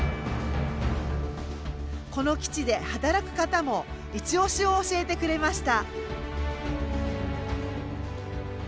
この基地で働く方もいちオシを教えてくれました。